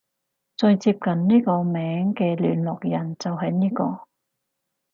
最接近呢個名嘅聯絡人就係呢個